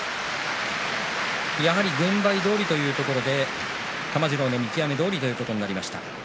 やはり軍配どおりというところで玉治郎の見極めどおりということになりました。